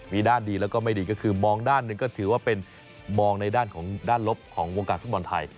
มีด้านดีแล้วก็ไม่ดีก็คือมองด้านหนึ่งก็ถือว่าเป็นมองในด้านของด้านลบของวงการฟุตบอลไทย